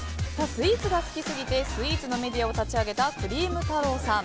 スイーツが好きすぎてスイーツのメディアを立ち上げたクリーム太朗さん。